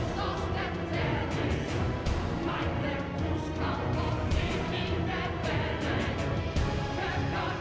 ซึ่งไม่ใช่ที่นี่ใช่ราคา